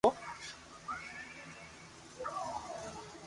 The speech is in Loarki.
آندھن نو اونک ديو ڪوڙون را ڪوڙختم ڪرو